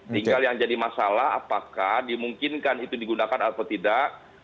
tinggal yang jadi masalah apakah dimungkinkan itu digunakan atau tidak